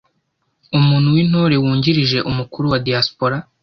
Umukuru w’Intore wungirije: Umukuru wa DIASPORA